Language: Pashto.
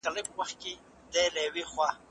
هغه د خپل کار په وسیله د کورنۍ رزق ګټي.